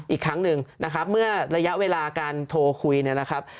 อีกครั้งหนึ่งนะครับเมื่อระยะเวลาการโทรคุยเนี่ยนะครับ